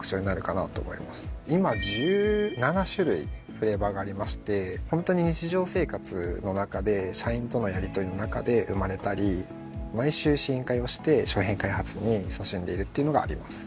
今１７種類フレーバーがありましてホントに日常生活の中で社員とのやりとりの中で生まれたり毎週試飲会をして商品開発にいそしんでいるっていうのがあります。